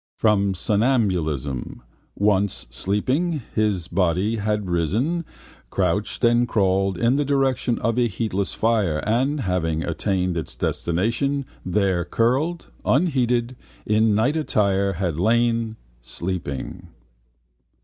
From somnambulism: once, sleeping, his body had risen, crouched and crawled in the direction of a heatless fire and, having attained its destination, there, curled, unheated, in night attire had lain, sleeping.